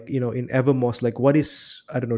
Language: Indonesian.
seperti di evermost apa yang menurut anda